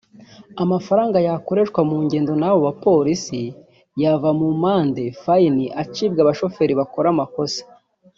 Amafaranga yakoreshwa mu ngendo n’abo bapolisi yava mu mande (fine) acibwa abashoferi bakora amakosa